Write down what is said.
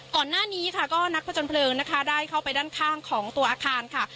ก่อนหน้านี้ค่ะก็นักประจนเพลิงนะคะได้เข้าไปด้านข้างของตัวอาคารค่ะ